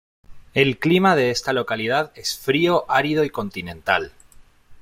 El clima de esta localidad es frío, árido y continental.